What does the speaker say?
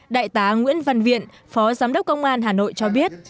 đại tá nguyễn văn viện phó giám đốc công an hà nội cho biết